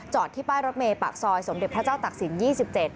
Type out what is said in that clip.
ที่ป้ายรถเมย์ปากซอยสมเด็จพระเจ้าตักศิลป์๒๗